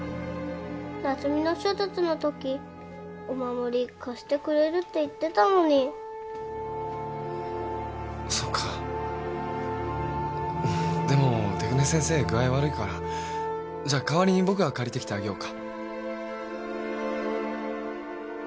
なつみの手術のときお守り貸してくれるって言ってたのにそうかでも出久根先生具合悪いから代わりに僕が借りてきてあげようか？